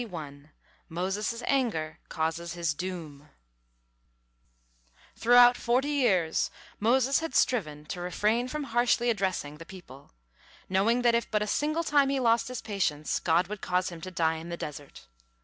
MOSES' ANGER CAUSES HIS DOOM Throughout forty years Moses had striven to refrain from harshly addressing the people, knowing that if but a single time he lost patience, God would cause him to die in the desert.